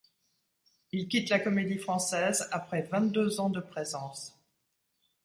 Il quitte la Comédie-Française après vingt-deux ans de présence.